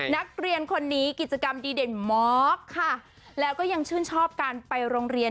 นักเรียนคนนี้กิจกรรมดีเด่นมอคค่ะแล้วก็ยังชื่นชอบการไปโรงเรียน